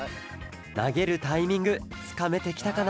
なげるタイミングつかめてきたかな？